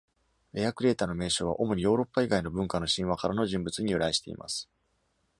レアクレータの名称は、主にヨーロッパ以外の文化の神話からの人物に由来しています。